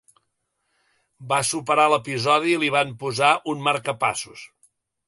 Va superar l'episodi i li van posar un marcapassos.